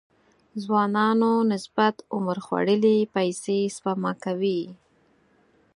ځوانانو نسبت عمر خوړلي پيسې سپما کوي.